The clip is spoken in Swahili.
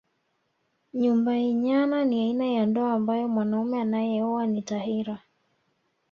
Nyumba nyana ni aina ya ndoa ambayo mwanaume anayeoa ni tahira